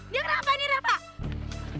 dia kenapa ini rapah